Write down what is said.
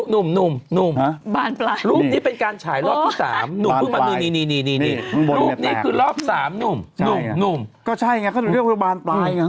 นี่เห็นไหมล่ะอะไรคืออันนี้คือเรียกบานปลาย